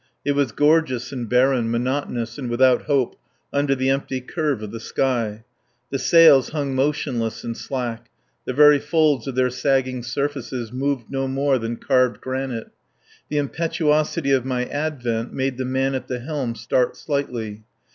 It was gorgeous and barren, monotonous and without hope under the empty curve of the sky. The sails hung motionless and slack, the very folds of their sagging surfaces moved no more than carved granite. The impetuosity of my advent made the man at the helm start slightly.